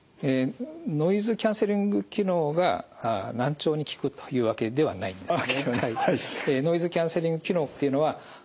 ノイズキャンセリング機能が難聴に効くというわけではないんですね。